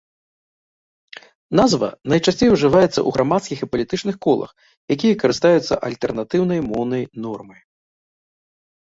Назва найчасцей ужываецца ў грамадскіх і палітычных колах, якія карыстаюцца альтэрнатыўнай моўнай нормай.